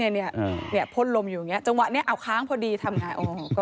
เนี่ยพ่นลมอยู่เนี่ยจังหวะเนี่ยเอาค้างพอดีทำงาน